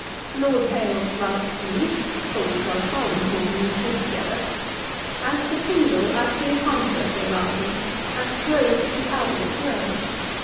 'Lord Hailes writes to me, (for we correspond more than we talk together,) "As to Fingal, I see a controversy arising, and purpose to keep out of its way.